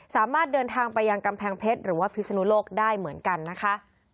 สามารถเดินทางไปยังกำแพงเพชรหรือว่าพิศนุโลกได้เหมือนกันนะคะ